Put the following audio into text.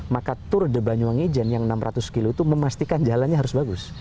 maka tur de banyuwangi jan yang enam ratus km itu memastikan jalannya harus bagus